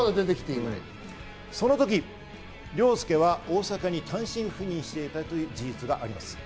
その時、凌介は大阪に単身赴任していたという事実があります。